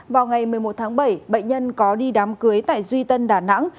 vào ngày một mươi một tháng bảy bệnh nhân có đi đám cưới tại duy tân đà nẵng